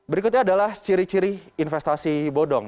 berikutnya adalah ciri ciri investasi bodong